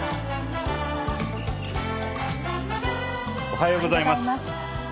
おはようございます。